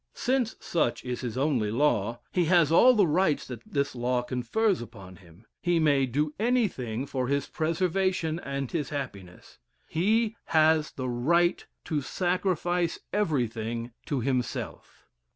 Since such is his only law, he has all the rights that this law confers upon him; he may do anything for his preservation and his happiness; he has the right to sacrifice everything to himself.